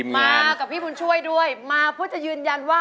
มากับพี่บุญช่วยด้วยมาเพื่อจะยืนยันว่า